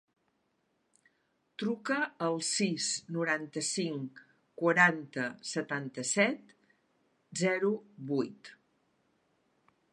Truca al sis, noranta-cinc, quaranta, setanta-set, zero, vuit.